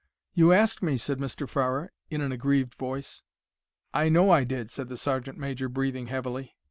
"You asked me," said Mr. Farrer, in an aggrieved voice. "I know I did," said the sergeant major, breathing heavily.